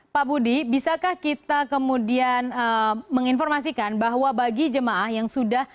pak budi bisakah kita kemudian menginformasikan bahwa bagi jemaah yang sudah